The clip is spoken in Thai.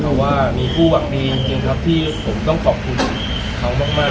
เพราะว่ามีผู้หวังดีจริงครับที่ผมต้องขอบคุณเขามากในการที่ส่งหลักฐาน